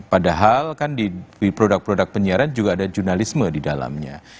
padahal kan di produk produk penyiaran juga ada jurnalisme di dalamnya